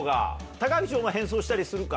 高岸お前変装したりするか？